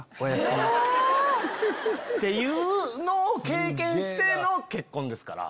っていうのを経験しての結婚ですから。